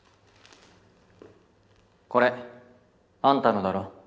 これあんたのだろ？